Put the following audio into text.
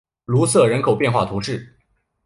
瑟卢人口变化图示